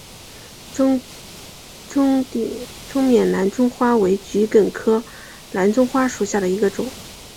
中甸蓝钟花为桔梗科蓝钟花属下的一个种。